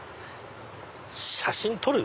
写真撮る？